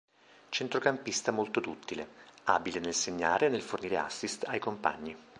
Centrocampista molto duttile, abile nel segnare e nel fornire assist ai compagni.